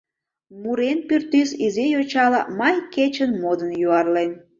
Мурен пÿртÿс изи йочала май кечын модын юарлен.